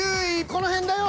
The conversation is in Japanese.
この辺だよ。